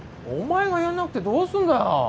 お前がやんなくてどうすんだよ？